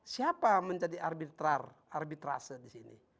siapa menjadi arbitrase disini